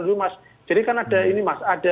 dari umas jadi kan ada ini mas